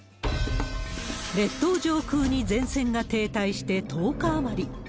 列島上空に前線が停滞して１０日余り。